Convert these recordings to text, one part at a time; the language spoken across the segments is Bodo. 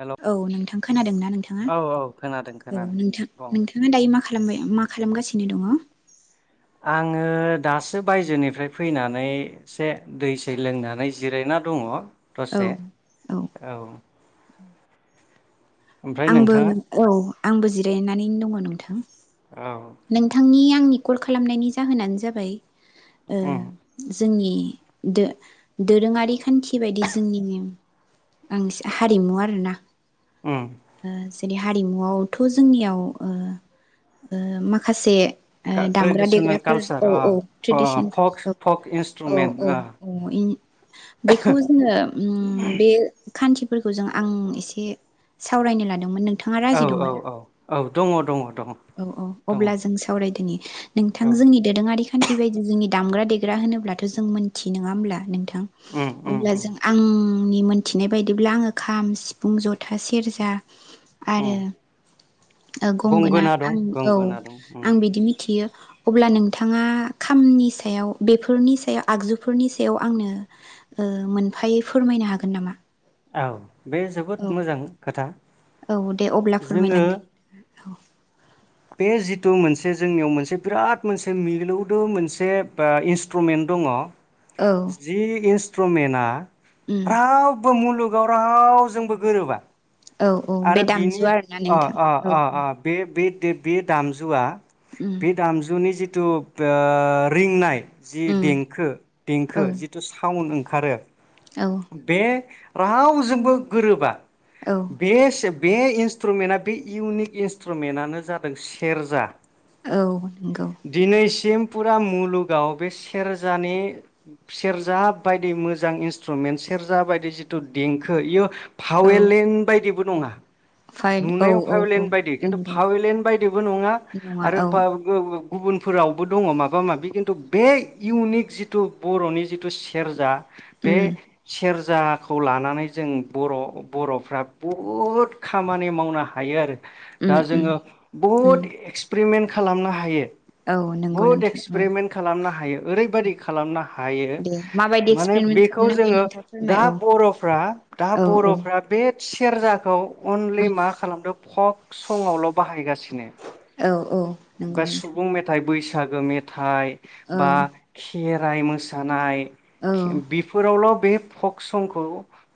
हेलौ औ नोंथां खोनादोंना नोंथाङा? औ औ खोनादों औ खोनादों नोंथां बुं नोंथाङा दायो मा खालामबाय मा खालामगासिनो दङ? आङो दासो बायजोनिफ्राय फैनानै से दैसै लोंनानै जिरायना दङ औ दसे। औ ओमफ्राय आंबो नोंथाङा औ आंबो जिरायनानै दङ नोंथां। औ नोंथांनि आंनि कल खालामनायनि जाहोनानो जाबाय ओ उम जोंनि दो-दोरोङारि खान्थि बायदि जोंनिनो ओं हारिमु आरोना उम ओ जेरै हारिमुआवथ' जोंनियाव ओ मा खासे ओ दामग्रा ट्रेडिसनेल देग्राफोर कालसार औ अ औ अ फक ट्रेडिसनफोर फक औ इन्सट्रुमेन्ट औ औ औ बेखौ जोङो बे खान्थिफोरखौ जों आं एसे सावरायनो लादोंमोन नों औ औ औ औ दङ दङ औ औ दङ अब्ला जों सावराय बायथानि नोंथां औ जोंनि दोरोङारि खान्थि बायदि जोंनि दामग्रा देग्रा होनोब्लाथ' जों मोनथियै नङा होमब्ला नों थां उम उम अब्ला उम जों आं आंनि मोनथिनाय बायदिब्ला आङो खाम, सिफुं, जथा, सेरजा उम आरो गंगोना दं आं औ गंगोना दं उम आं बिदि मिथियो अब्ला नोंथाङा खामनि सायाव बेफोरनि सायाव आगजुफोरनि सायाव आंनो ओ मोनफायै फोरमायनो हागोन नामा? औ बे जोबोद औ मोजां खोथा औ दे अब्ला जोङो फोरमायलांदो। औ बे जिथु मोनसे जोंनियाव मोनसे बिराद मोनसे मिलौदो मोनसे इन्सट्रुमेन्ट दङ औ औ जि इस प्रमेना उम रावबो मुलुग गाव राव जोंबो गोरोबा औ औ बे आरो दामजु बिनि आरोना आ नोंथां आ औ आ बे बे ए बे दामजुआ उम बे दामजुनि जि थु बा ओ रिंनाय जि उम देंखो देंखो औ जिथु साउड ओं खारो औ बे रावजोंबो गोरोबा औ बे से बे इन्सट्रुमेन्टआ बे इउनिक इन्सट्रुमेन्टानो जादों सेरजा। औ नंगौ। पुरा मुलुगाव बे सेरजानि सेरजा बायदि मोजां इन्स ट्रुमेन्ट सेरजा बायदि जिथु देंखो इयो औ पावेलेण्ड बायदि नङा फाइन औ नुनायाव औ औ पावेलेण्ड बायदि खिन्थु नंगौ पावेलेण्ड बायदिबो नङा आरो पा ओ गोओ गुबुनफोरावबो दङ माबा माबि खिन्थु बे इउनिक जिथु बर'नि जिथु सेरजा बे उम सेर जाखौ लानानै जों बर' बर'फ्रा बहुद खामानि मावनो हायो आरो। उम दा उम जोङो उम बहुद एक्सपिरिमेन्ट खालामनो हायो। औ नंगौ बहुद नोंथां औ एक्सपेरिमेन्ट खालामनो हायो ओरैबायदि खालामनो हायो दे माबायदि माने एक्सपेरिमेन्ट बेखौ खालामनो हायो जोङो नोंथाङा फोरमाय दा औ बर'फ्रा दा औ औ बर'फ्रा बे सेरजाखौ अनलि उम मा खालामदों फक संआवल' बाहायगासिनो। औ औ नंगौ बा नोंथां सुबुं मेथाइ बैस बैसागो मेथाइ औ बा खे राइ मोसानाय औ खे बेफोरावल' बे फक संखौ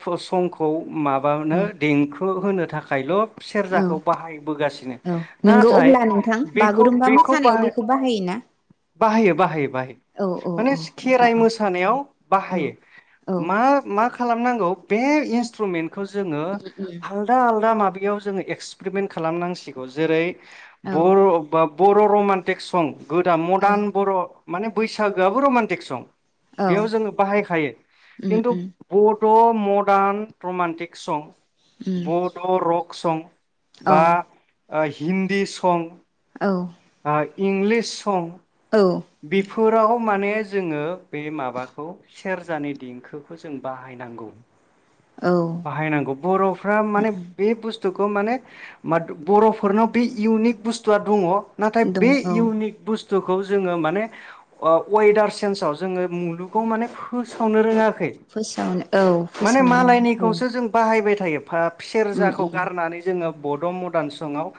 फ संखौ माबानो औ देंख हो होनो थाखायल' औ सेरजाखौ बाहायबोगासिनो औ नोंगौ नाथाय अब्ला नोंथां बेखौ बागुरुम्बा बेखौ मोसानायाव बाह बेखौ बाहायोना बाहायो बाहायो बाहायो औ माने औ अब्ला खेराइ औ मोसानायाव दे औ बाहायो औ मा मा खालाम खालामनांगौ बे इन्सट्रुमेन्टखौ खौ जोङो उम उम आलदा आलदा बेयाव जोङो एक्सपेरमेन्ट खालामनांसिगौ जेरै औ बर' बर' रमान्टिक सं गोदान औ मदार्न बर' माने बैसागोआबो रमान्टिक सं बेयाव औ जोङो बाहायखायो उम खिन्थु उम भट मदार्न रमान्टिक सं उम बड' रक सं औ बा हिन्दी सं औ इंलिस सं औ फोराव माने जोङो बे माबाखौ सेरजानि देंखोखौ जों बाहायनांगौ। औ उम बाहायनांगौ बर'फ्रा माने उम बे बुस्थु स्थुखौ माने बर'फोरनाव बे इउनिक बुस्थुआ दङ नाथाय दं बे औ इउनिक बुस्थुखौ जोङो माने अवेदार सेन्ज आव जोङो मुलुग खौ माने फोसावनो रोङाखै फोसावनो औ मने फोसावनानै औ मालायनिखौसो जों बाहायबाय था [unintelligible] उम सेरजाखौ उम गारनानै जोङो बड' मडान संआव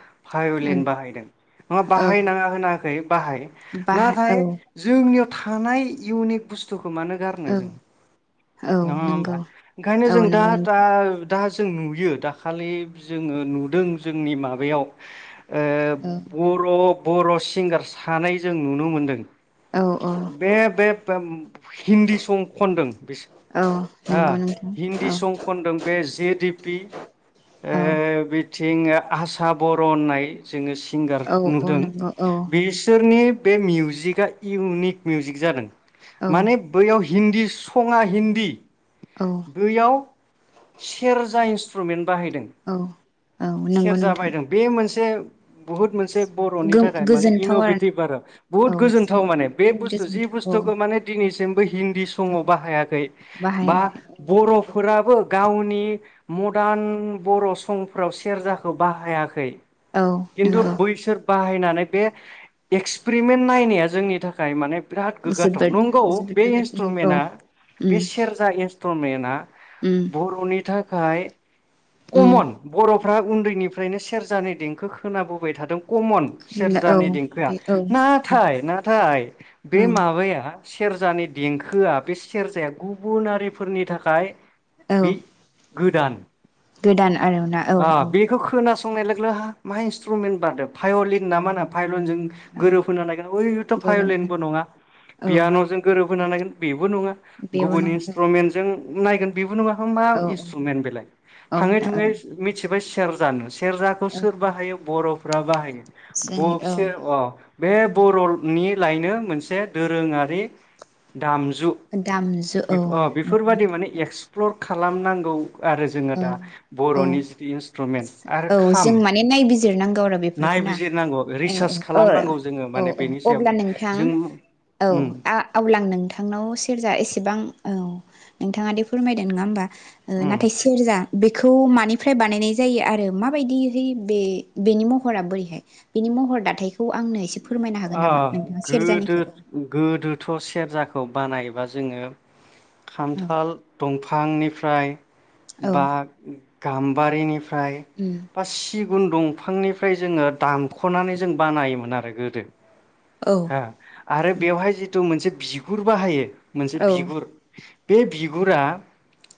औ भायलिन बाहायदों नङा औ बाहायनाङा होनाखै बाहाय बाहा औ नाथाय जोंनियाव थानाय इउनिक बुस्थु खो मानो औ गारनो जों औ नङा होमबा नंगौ ओंखायनो औ जों दा नंगौ दा नोंथां दा जों नुयो दाखालि जोङो नुदों जोंनि माबायाव ओ बर' बर' सिंगार सानै जों नुनो मोनदों। औ बे-बे हिन्दी सं खनदों बे औ ओ नंगौ हिन्दी नोंथां सं खनदों बे जे डि पि औ ओ बे थिंओ आसा बर' होननाय जोङो सिंगार औ औ नुदों नंगौ औ बिसोरनि बे मिउजिकआ इउनिक मिउजिक जादों। औ माने बैयाव हिन्दी सङा हिन्दी। औ बैयाव सेरजा इन्सट्रुमेन्ट बाहायदों औ औ नंगौ सेरजा नोंथां बायदों बे मोनसे बुहुत मोनसे बर'नि थाखाय माने इन'भेटिभ आरो। औ बुहुत गोजोन्थाव माने जोंनि बे बुहुत बुस्थु जि गोजोनथाव औ बुस्थुखौ माने दिनै निसिम हिन्दी औ सङाव बाहायाखै बा बाहायाखै बर'फोराबो गावनि मदार्न बर' संफ्राव सेरजाखौ बाहायाखै। औ खिन्थु नंगौ बैसोर बाहाय नानै बे एक्स पिरेमेन्ट नायनाया जोंनि थाखाय माने बिराद गोग्गाथाव जोबोद नंगौ जोबोद बे गोग्गाथाव औ इन्सट्रुमेन्टआ उम बे सेरजा इन स्थुमेना उम बर'नि था खाय कमन बर' फ्रा उन्दैनिफ्रायनो सेरजानि देंखो खोनाबोबाय थादों। कमन उम औ सेरजानि देंखोआ बे औ नाथाय नाथाय बे ओं माबाया सेरजानि देंखोआ बे सेरजाया गुबुनारिफोरनि थाखाय बे। औ गोदान। गोदान। आरोना औ आ बेखौ खोनास [unintelligible] जों गोरोब होनो नागिरनाय ओरैनोथ गोरोबनाय भायलिनबो नङा औ पियान'जों गोरोब। खोनानाय बे बो नङा बेबो गुबुन नंगौ इन्स्ट्रुमेन्टजों नायगोन बेबो नङा एमबा औ इन्स्ट्रुमेन्ट बेलाय औ थाङै दा औ थुङै मिथिबाय सेरजा सेरजाखौ औ सोर बाहायो बर 'फो फोर बाहाय जोंनि औ बबसे अ बे बर'नि लायनो मोनसे दोरोङारि दामजु दामजु औ बेफोर नंगौ बायदि माने नोंथां एक्सप्लर खालामनांगौ आरो जोङो औ दा औ बर'नि इन्सट्रुमेन्ट आरो औ खाम जों माने नायबि जिरनांगौ आरो बेफोरखौ न नायबिजिरनांगौ रिसार्च औ खालामनांगौ जोङो औ माने औ बेनि सायाव अब्ला नोंथां जों औ उम अब्ला आं नोंथांनाव सेरजा एसेबां औ नोंथाङादे फोरमायदो नङा होमबा उम नाथाय सेरजा बेखौ मानिफ्राय बानायनाय जायो आरो माबायदिहै बे बेनि महरा बोरैहाय बेनि महर दाथायखौ आंनो एसे फोरमायनो हागोन ओ नामा नोंथाङा गोदो सेरजानिखौ गोदोथ' सेरजाखो खौ बानायबा जोङो औ खान्थाल दंफांनि फ्राय औ बा गाम्बारिनि मफ्राय उम ब सि गुबुन दंफांनिफ्राय जोङो दामख'नानै जों बानायोमोन आरो गोदो औ हो आरो उम बेवहाय जिथु मोनसे बिगुर बाहायो मोनसे औ बिगुर बे बिगुरा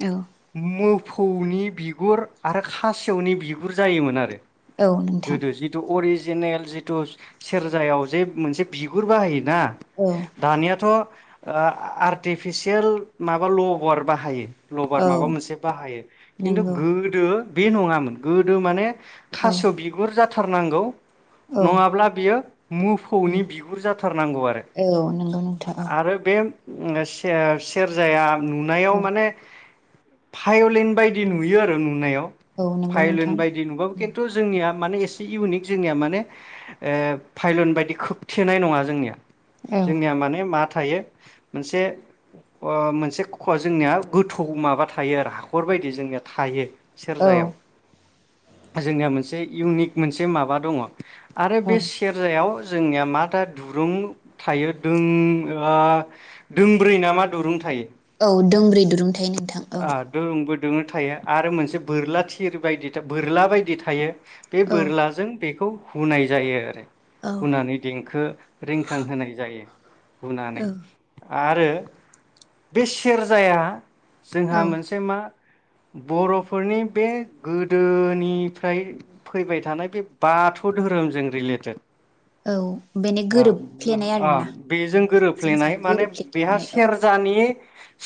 औ मो फौनि बिगुर आरो खासेवनि बिगुर जायोमोन आरो औ नोंथां गोदो जिथु अरिज जिनेल जिथु सेरजायाव जे मोनसे बिगुर बाहायो ना औ दानियाथ ओ आर्टिफिसियेल माबा लभार बाहायो लबार औ माबा मोनसे बाहायो खिन्थु नंगौ गोदो बे नङामोन गोदो माने औ थास' बिगुर जाथ थारनांगौ औ नङाब्ला बियो मोफौनि उम बिगुर जाथारनांगौ आरो औ नंगौ नोंथां औ आरो बे सेर-सेरजाया नुनाययाव औ माने पायलिन बायदि नुयो आरो नुनायाव औ नंगौ भायलिन नोंथां बायदि नुबाबो खिन्थु जोंनिया माने एसे इउनिक जोंनिया माने ओ भाइलिन बायदि खोबथेनाय नङा जोंनिया औ जोंनिया माने माथ थायो मोनसे अ मोनसे जोंनिया गोथौ माबा थायो आरो हाखर बायदि जोंनिया थायो औ सेरजायाव जोंनिया मोनसे इउनिक मोनसे माबा दङ आरो औ बे से सेरजायाव जोंनिया माथा दुरुं थायो दों ओ दोंब्रै ना मा दुरुं थायो औ दोंब्रै दुरुं थायोना? आ दोंबोद दोयों थायो आरो मोनसे बोरला थिर बायदि बोरला बायदि थायो बे औ बोरलाजों बेखौ हुनाय जायो आरो औ हुनानै देंखो रिंखां होनाय जायो हुनानै आरो बे सेरजाया औ जोंहा मोनसे मा बर'फोरनि बे गोदोनिफ्राय फैबाय थानाय बे बाथौ धोरोमजों रिलेटेड औ बेनो ओं गोरोबफ्लेनाय अ‌ आरोना बेजों जोंजों गोरोबफ्लेनाय माने बेहा गोरोबफ्लेथारनाय औ सेरजानि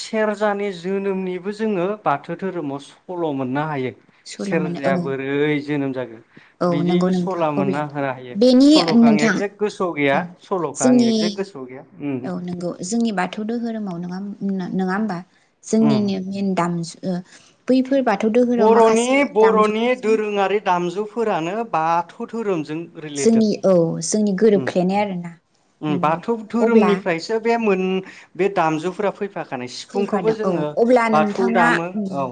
सेरजानि ज जोनोमनिबो जोङो बाथो धोरोमाव सल' मोननो हायो। सल' मोनो औ सेरजाया बोरै जोनोम जाग्रो औ बिदि नंगौ नोंथां सला मोनना अब्ला हारा-हायो बेनि सल'खो आं नोंथां एगजेक्ट गोसोआव गैया औ सल'खौ आं जोंनि एकजेक्ट गोसोआव गैया उम थौ दोहोरोमाव नोङा नोङा होमबा? उम जोंनिनो मेन दामजु ओ बैफोर बाथ बर'नि बर'नि दोरोंङारि दामजुफोरानो बाथौ धोरोम जोंनि औ जोंनि गोरोबफ्लेनाय आरोना उम नोंगौ बाथौ अब्ला धोरोमनिफ्रायसो बे मोन बे दामजुफोरा फैफि खाखानाय सिफुंखोबो फैफादों औ जोङो अब्ला बाथौ दामो औ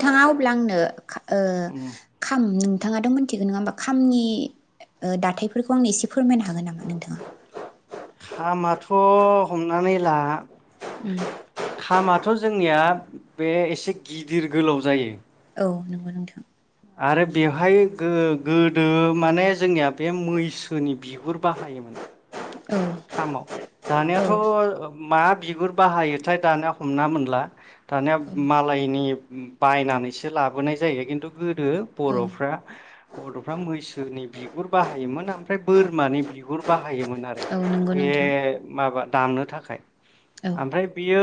थाङा अब्ला आंनो खा ओ उम खाम नोंथाङाथ' मिनथिगोन नङा होमबा खामनि दाथायफोरखौ ओ आंनो एसे फोरमायनो हागोन नामा नोंथाङा खामाथ' हमनानै ला उम खामाथ' जों निया बे एसे गिदिर गोलाव जायो। औ नोगो नोंथां आरो बेवहाय गो-गोदो माने जोंनिया बे मैसोनि बिगुर बाहायोमोन। औ खामाव औ दानिाथ' ओ मा बिगुर बाहायोथाय दानिया हमना मोनला दानिया औ मालायनि बायनानैसो लाबोनाय जायो किनतु गोदो औ बर'फ्रा बर'फ्रा मैसोनि बिगुर बाहायोमोन आं ओमफ्राय बोरमानि बिगुर बाहा बाहायोमोन आरो औ नंगौ बे नोंथां माबा दामनो थाखाय औ आमफ्राय बियो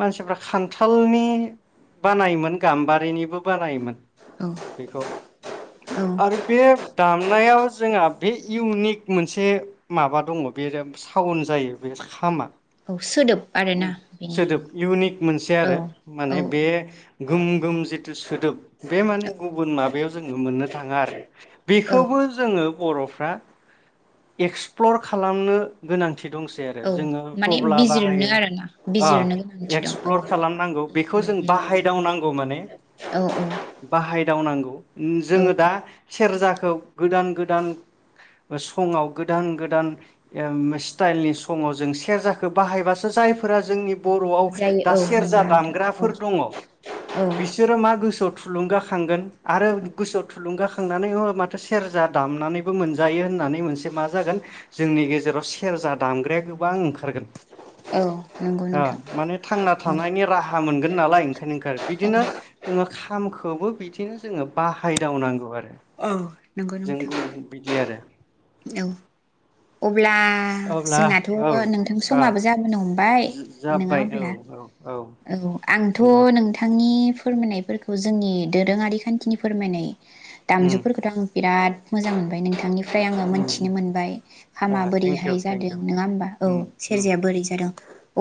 मानसिफ्रा खान्थालनि बानायोमोन गाम्बारिनिबो बानायोमोन औ बेखौ औ आरो बे दामनायाव जोंहा बे इउनिक मोनसे माबा दङ बेरेब सावन जायो बे खामा औ सोदोब आरोना उम बेनि सोदोब इउनिक मोनसे औ आरो माने औ बे गोम गोम जिथु सोदोब बे माने औ गुबुन माबायाव जोङो मोननो थाङा आरो औ बेखौबो जोङो बर'फ्रा एक्सप्लर खालामनो गोनां थि दंसै आरो औ जोङो माने थब्ला बिजिरनो बाहायो आरोना आ बिजिरनो गोनांथि दं औ एक्सप्लर खालामनांगौ बेखौ जों बाहायदावनांगौ माने औ बाहायदावनांगौ औ जोङो दा सेरजा औ गोदान गोदान संआव गोदान गोदान ओ स्टाइलनि संआव जों सेरजाखौ बाहायबासो जागोन फोरा जोंनि बर'आव जायो दा औ सेरजा नंगौ नोंथां औ दामग्राफोर दङ औ बिसोरो मा गोसोआव थुलुंगाखांगोन आरो गोसोआव थुलुंगा सोंनानै अ माथो सेरजा दामनानैबो मोनजायो होननानै मोनसे मा जागोन जोंनि गेजेराव सेरजा दामग्राया गोबां ओंखार खारगोन औ नंगौ आ नोंथां माने थांना थानायनि राहा मोनगोन नालाय ओंखायनो ओंखारो औ औ बिदिनो जोङो खाम खौबो बिदिनो जोङो बाहायदावनांगौ आरो औ नंगौ जों नोंथां बिदि आरो औ अब्ला अब्ला जोंनाथ' नोंथां औ समाबो जाबोनो हम बाय नङा जाबाय औ होनब्ला औ औ आंथ' दे नोंथांनि नि फोरमायनायफोरखौ जोंनि दोरोङारि खान्थिनि फोरमायनाय उम दामजुफोरखौथ' आं बिराद मोजां मोनबाय नोंथांनि फ्राय आङो उम मोनथिनो उम मोनबाय हामा थेंकिउ बोरैहाय जादों थेंकिउ नङा होमबा औ उम उम सेरजाया बोरै जादों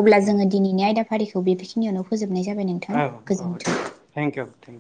अब्ला उम जोङो दिनैनि आयदाखौ फारिखौ बेखिनियावनो फोजोब नाय जाबाय नोंथां औ औ दे गोजोन्थों थेंकिउ थेंकिउ